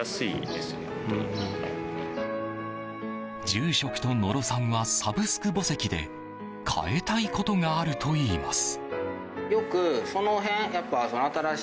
住職と野呂さんはサブスク墓石で変えたいことがあるといいます。